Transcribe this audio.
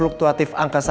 bukan k sells